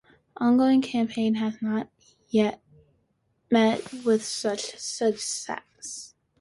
The ongoing campaign has not met with much success.